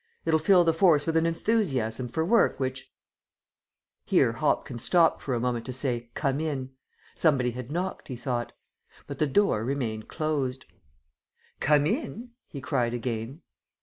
It'll fill the force with an enthusiasm for work which " Here Hopkins stopped for a moment to say, "Come in!" Somebody had knocked, he thought. But the door remained closed. "Come in!" he cried again.